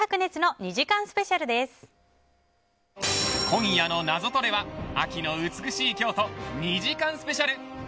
今夜のナゾトレは秋の美しい京都２時間スペシャル。